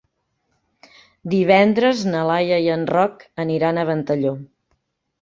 Divendres na Laia i en Roc aniran a Ventalló.